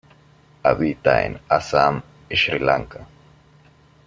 Habita en Assam y Sri Lanka.